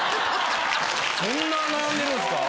そんな悩んでるんすか？